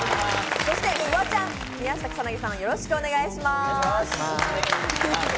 そしてフワちゃん、宮下草薙さん、よろしくお願いします。